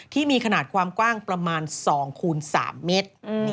ที่มีขนาดความกว้างประมาณ๒คูณ๓เมตร